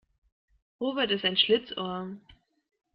Robert ist ein Schlitzohr.